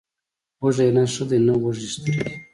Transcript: وږی نس ښه دی، نه وږې سترګې.